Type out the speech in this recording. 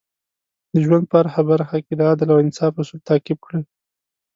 د ژوند په هره برخه کې د عدل او انصاف اصول تعقیب کړئ.